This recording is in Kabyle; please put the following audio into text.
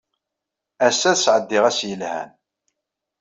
Ass-a, ad sɛeddiɣ ass yelhan.